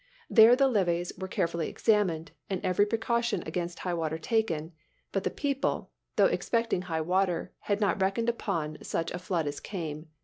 There the levees were carefully examined, and every precaution against high water taken. But the people, though expecting high water, had not reckoned upon such a flood as came.